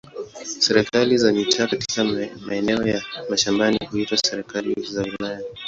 Serikali za mitaa katika maeneo ya mashambani huitwa serikali za wilaya.